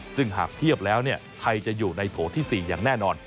ซึ่งหากเทียบแล้วไทยจะอยู่ในโถที่๔อย่างแน่นอน